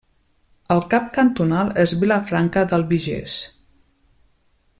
El cap cantonal és Vilafranca d'Albigés.